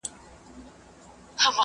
مثبت پیغامونه پکې ډېر دي.